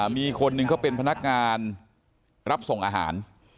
มีคนหนึ่งเขาเป็นพนักงานรับส่งอาหาร